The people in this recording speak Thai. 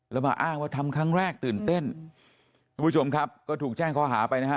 แล้วมาอ้างว่าทำครั้งแรกตื่นเต้นทุกผู้ชมครับก็ถูกแจ้งข้อหาไปนะฮะ